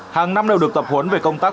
hàng năm đều được tập huấn về công tác